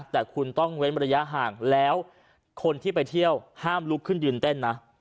แต่คุณต้องเว้นระยะห่างแล้วคนที่ไปเที่ยวห้ามลุกขึ้นยืนเต้นนะ